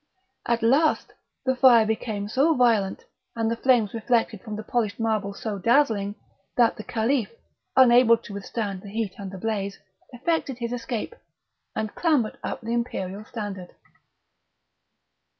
At last the fire became so violent, and the flames reflected from the polished marble so dazzling, that the Caliph, unable to withstand the heat and the blaze, effected his escape, and clambered up the imperial standard.